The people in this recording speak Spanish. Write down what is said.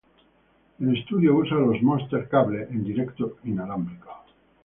En estudio usa los Monster Cable, en directo inalámbrico.